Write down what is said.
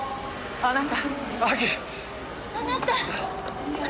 あなた！